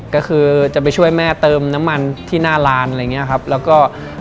ก็คือจะไปช่วยแม่เติมน้ำมันที่หน้าร้านอะไรอย่างเงี้ยครับแล้วก็